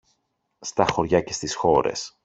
στα χωριά και στις χώρες.